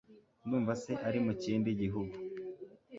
Ndumva se ari mu kindi gihugu